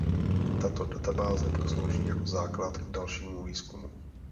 Tato databáze pak slouží jako základ k dalšímu výzkumu.